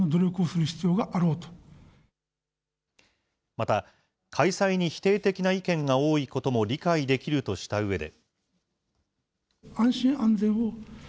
また、開催に否定的な意見が多いことも理解できるとしたうえで。